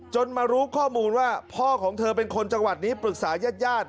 มารู้ข้อมูลว่าพ่อของเธอเป็นคนจังหวัดนี้ปรึกษายาด